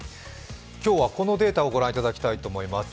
今日はこのデータをご覧いただきたいと思います。